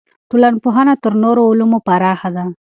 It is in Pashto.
ټولنپوهنه تر نورو علومو پراخه ده.